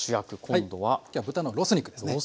今日は豚のロース肉ですね。